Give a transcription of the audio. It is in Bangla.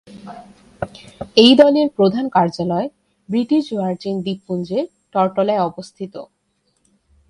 এই দলের প্রধান কার্যালয় ব্রিটিশ ভার্জিন দ্বীপপুঞ্জের টরটোলায় অবস্থিত।